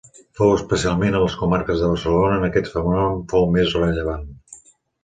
Fou especialment a les comarques de Barcelona on aquest fenomen fou més rellevant.